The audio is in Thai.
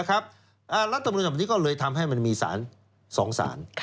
และตำรวจจังหรือเลยทำให้มันมีสารสองสาร